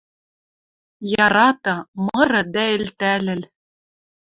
Яраты, мыры дӓ элтӓлӹл...